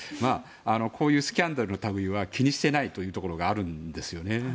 こういうスキャンダルの類は気にしてないというところがあるんですよね。